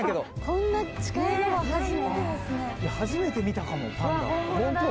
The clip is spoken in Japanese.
・初めて見たかもパンダ・ホント。